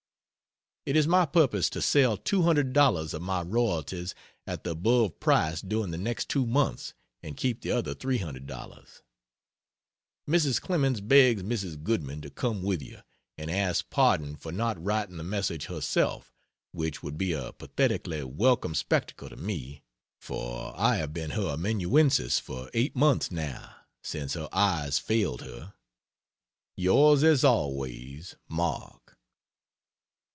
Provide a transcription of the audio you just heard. It is my purpose to sell two hundred dollars of my royalties at the above price during the next two months and keep the other $300. Mrs. Clemens begs Mrs. Goodman to come with you, and asks pardon for not writing the message herself which would be a pathetically welcome spectacle to me; for I have been her amanuensis for 8 months, now, since her eyes failed her. Yours as always MARK.